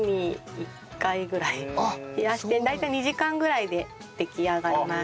大体２時間ぐらいで出来上がります。